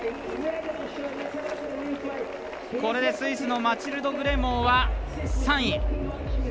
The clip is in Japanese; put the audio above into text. これでスイスのマチルド・グレモーは３位。